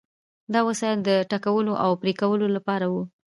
دا وسایل د ټکولو او پرې کولو لپاره وو.